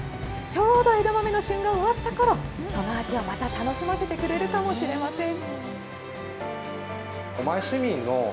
ちょうど枝豆の旬が終わったころ、その味をまた楽しませてくれるかもしれません。